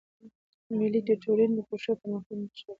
مېلې د ټولني د خوښۍ او پرمختګ نخښه ده.